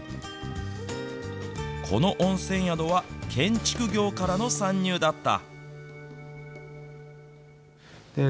この温泉宿は、建築業からの参入だった。